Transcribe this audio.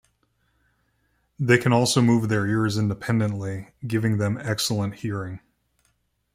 They can also move their ears independently, giving them excellent hearing.